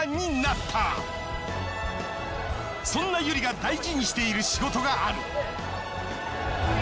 そんなＹＵＲＩが大事にしている仕事がある。